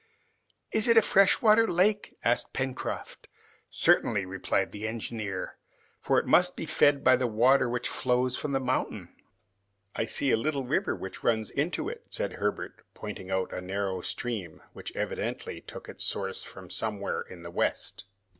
"Is it a freshwater lake?" asked Pencroft. "Certainly," replied the engineer, "for it must be fed by the water which flows from the mountain." "I see a little river which runs into it," said Herbert, pointing out a narrow stream, which evidently took its source somewhere in the west.